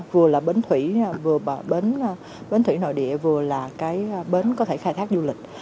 vừa là bến thủy nội địa vừa là bến có thể khai thác du lịch